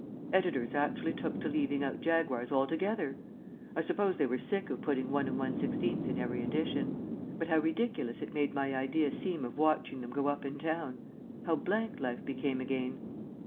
Editors actually took to leaving out Jaguars altogether. I suppose they were sick of putting 1 1/16 in every edition. But how ridiculous it made my idea seem of watching them go up and down! How blank life became again!